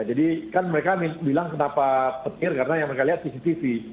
jadi kan mereka bilang kenapa petir karena yang mereka lihat cctv